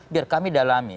biar kami dalami